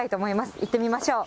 行ってみましょう。